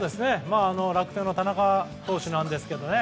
楽天の田中投手なんですけどね。